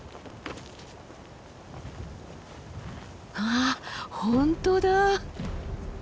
わあ本当だ。